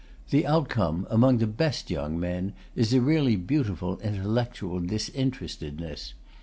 The outcome, among the best young men, is a really beautiful intellectual disinterestedness.